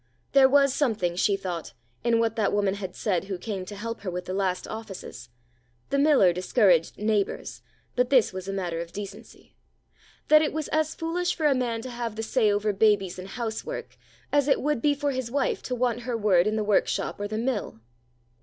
There was something, she thought, in what that woman had said who came to help her with the last offices,—the miller discouraged "neighbors," but this was a matter of decency,—that it was as foolish for a man to have the say over babies and housework as it would be for his wife to want her word in the workshop or the mill.